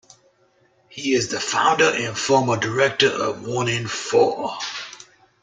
He is founder and former director of One in Four.